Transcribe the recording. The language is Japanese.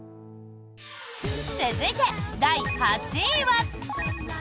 続いて、第８位は。